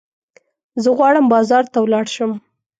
زه غواړم بازار ته ولاړ شم.